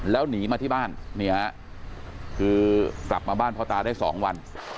แล้วหนีมาที่บ้านนี่ฮะคือกลับมาบ้านพ่อตาได้๒วัน